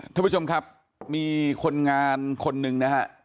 ท่านผู้ชมครับมีคนงานคนหนึ่งนะฮะ